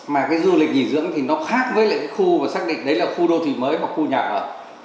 mà cái du lịch nghỉ dưỡng thì nó khác với lại cái khu và xác định đấy là khu đô thị mới hoặc khu nhà ở